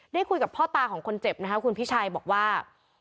ได้คุยกับพ่อตาของคนเจ็บนะคะคุณพิชัยบอกว่า